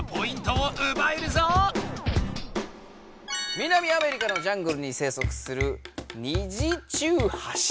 南アメリカのジャングルに生息するニジチュウハシ。